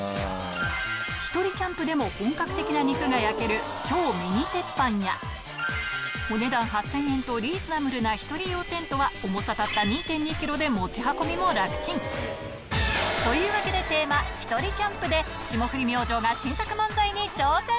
ひとりキャンプでも本格的な肉が焼ける、超ミニ鉄板や、お値段８０００円とリーズナブルな１人用テントは重さたった２．２キロで運ぶのも楽ちん。というわけでテーマ、ひとりキャンプで霜降り明星が新作漫才に挑戦。